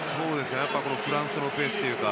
フランスのペースというか。